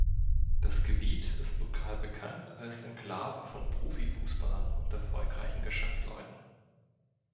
Das Gebiet ist lokal bekannt als Enklave von Profifußballern und erfolgreichen Geschäftsleuten.